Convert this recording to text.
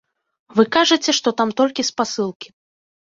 Вы кажаце, што там толькі спасылкі.